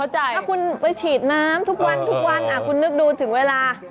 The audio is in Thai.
ถ้าคุณไปฉีดน้ำทุกวันทุกวันคุณนึกดูถึงเวลา